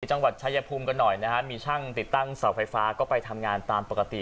จังหวัดชายภูมิกันหน่อยนะฮะมีช่างติดตั้งเสาไฟฟ้าก็ไปทำงานตามปกติ